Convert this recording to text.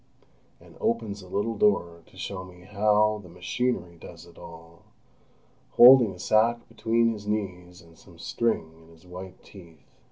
and opens a little door to show me how "the machinery does it all," holding a sack between his knees and some string in his white teeth.